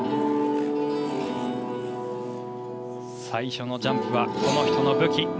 最初のジャンプはこの人の武器。